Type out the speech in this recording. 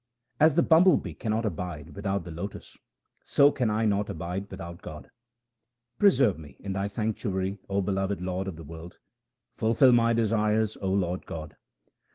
As the bumble bee cannot abide without the lotus, so can I not abide without God. Preserve me in Thy sanctuary, O beloved Lord of the world ; fulfil my desires, O Lord God.